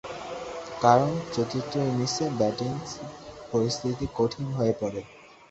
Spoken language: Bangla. কারণ চতুর্থ ইনিংসে ব্যাটিং পরিস্থিতি কঠিন হয়ে পড়ে।